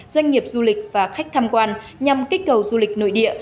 doanh nghiệp du lịch và khách tham quan nhằm kích cầu du lịch nội địa